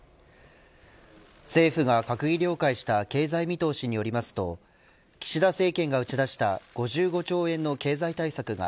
政府が閣議了解した経済見通しによりますと岸田政権が打ち出した５５兆円の経済対策が